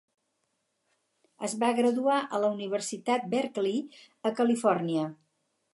Es va graduar en la Universitat Berkeley a Califòrnia.